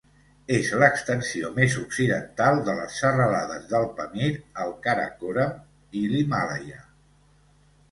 És l'extensió més occidental de les serralades del Pamir, el Karakoram i l'Himàlaia.